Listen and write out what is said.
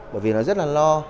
bởi vì nó rất là lo